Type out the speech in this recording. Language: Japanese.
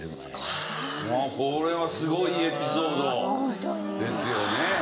これはすごいエピソードですよね。